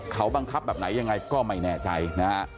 เขาบังคับแบบไหนยังไงก็ไม่แน่ใจนะฮะ